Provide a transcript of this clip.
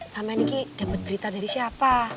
sama ini dapat berita dari siapa